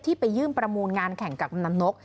ไปยื่นประมูลงานแข่งกับกำนันนก